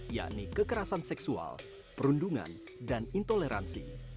yakni kekerasan seksual perundungan dan intoleransi